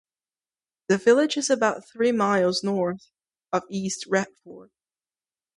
The village is about three miles north of East Retford.